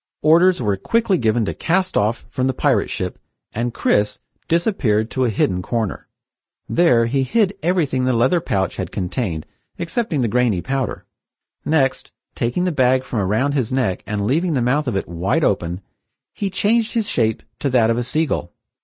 Orders were quickly given to cast off from the pirate ship and Chris disappeared to a hidden corner. There he hid everything the leather bag had contained excepting the grainy powder. Next, taking the bag from around his neck and leaving the mouth of it wide open, he changed his shape to that of a sea gull.